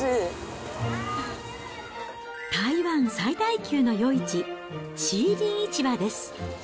台湾最大級の夜市、士林市場です。